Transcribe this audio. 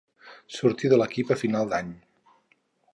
Sortí de l'equip a final d'any.